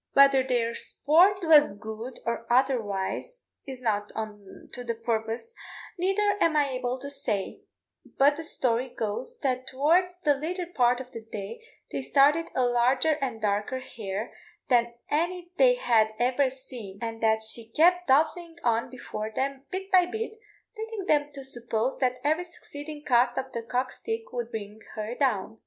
Whether their sport was good or otherwise, is not to the purpose, neither am I able to say; but the story goes that towards the latter part of the day they started a larger and darker hare than any they had ever seen, and that she kept dodging on before them bit by bit, leading them to suppose that every succeeding cast of the cock stick would bring her down.